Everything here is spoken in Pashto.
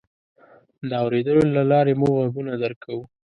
د اورېدلو له لارې موږ غږونه درک کوو.